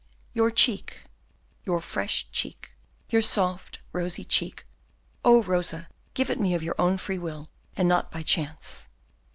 "Your cheek, your fresh cheek, your soft, rosy cheek. Oh, Rosa, give it me of your own free will, and not by chance.